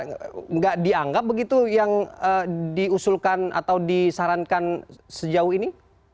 tidak dianggap begitu yang diusulkan atau disarankan sejauh ini